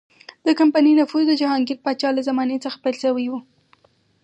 د کمپنۍ نفوذ د جهانګیر پاچا له زمانې څخه پیل شوی و.